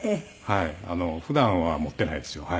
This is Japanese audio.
普段は持っていないですよ。